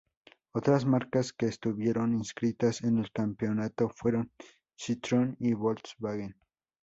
Otras marcas que estuvieron inscritas en el campeonato fueron Citroën y Volkswagen.